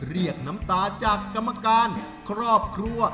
เรียกน้ำตาจากกรรมการครอบครัว